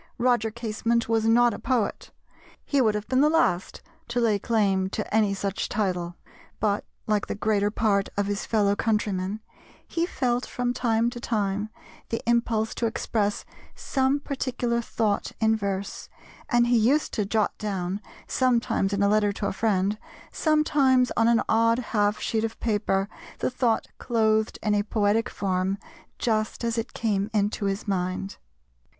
Roger Casement was not a poet, he would have been the last to lay claim to any such title, but, like the greater part of his fellow countrymen, he felt from time to time the impulse to express some particular thought in verse, and he used to jot down, sometimes in a letter to a friend, sometimes on an odd half sheet of paper, the thought clothed in a poetic form just as it came into his mind.